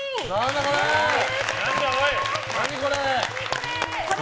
何だこれ！